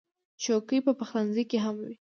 چوکۍ په پخلنځي کې هم وي.